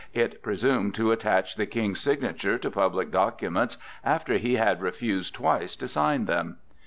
It presumed to attach the King's signature to public documents after he had refused twice to sign them.